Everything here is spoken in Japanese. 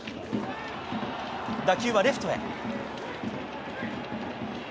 打球はレフトへ。